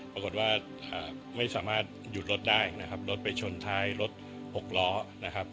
ปรากฏว่าไม่สามารถหยุดรถได้นะครับรถไปชนท้ายรถหกล้อนะครับ